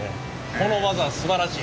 この技はすばらしい。